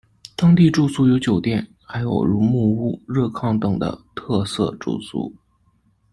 当地住宿有酒店，还有如木屋、热炕等的特色住宿。